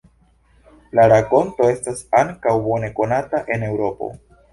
La rakonto estas ankaŭ bone konata en Eŭropo.